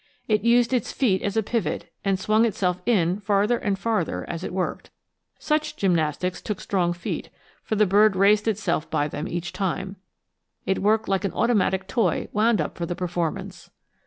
It used its feet as a pivot, and swung itself in, farther and farther, as it worked. Such gymnastics took strong feet, for the bird raised itself by them each time. It worked like an automatic toy wound up for the performance.